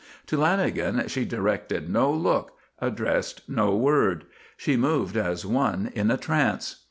To Lanagan she directed no look addressed no word. She moved as one in a trance.